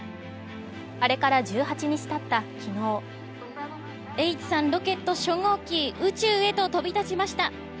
あれから１８日たった昨日Ｈ３ロケット初号機、宇宙へと旅立ちました。